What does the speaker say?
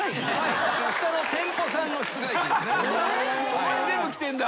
ここに全部きてんだ。